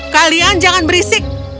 kalian jangan berisik